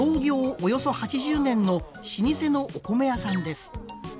およそ８０年の老舗のお米屋さんです。